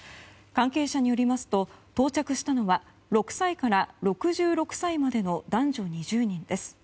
関係者によりますと到着したのは６歳から６６歳までの男女２０人です。